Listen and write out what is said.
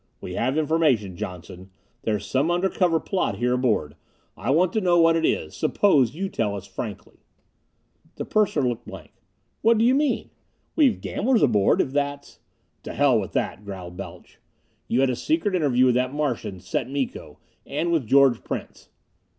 "We have information, Johnson there's some under cover plot here aboard. I want to know what it is. Suppose you tell us frankly." The purser looked blank. "What do you mean? We've gamblers aboard, if that's " "To hell with that," growled Balch. "You had a secret interview with that Martian, Set Miko, and with George Prince!"